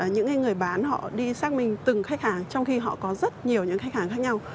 những người bán họ đi xác minh từng khách hàng trong khi họ có rất nhiều những khách hàng khác nhau